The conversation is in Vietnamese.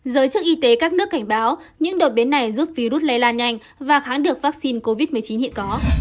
giới chức y tế các nước cảnh báo những đột biến này giúp virus lây lan nhanh và kháng được vaccine covid một mươi chín hiện có